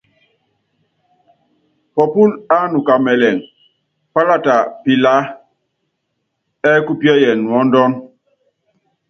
Pɔpúl ánuka mɛlɛŋ, pálata pilaá ɛ́ kupíɛ́yɛn nuɔ́ndɔ́n.